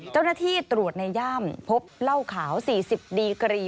เจ้าหน้าที่ตรวจในย่ามพบเหล้าขาว๔๐ดีกรี